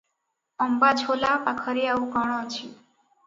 ଅମ୍ବାଝୋଲା ପାଖରେ ଆଉ କଣ ଅଛି?